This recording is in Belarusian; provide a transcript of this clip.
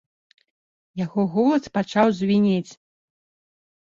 Яго голас пачаў звінець.